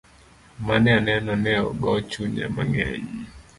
Mane aneno ne ogo chunya mang'eny.